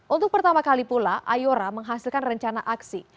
untuk pertama kali pula ayora menghasilkan rencana aksi